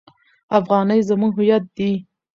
افغانۍ زموږ هویت دی.